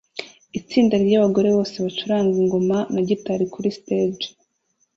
Itsinda ryabagore bose bacuranga ingoma na gitari kuri stage